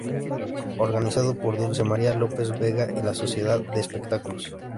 Organizado por Dulce María López Vega y la Sociedad de Espectáculos.